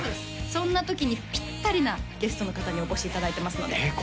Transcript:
そんな時にピッタリなゲストの方にお越しいただいてますのでえ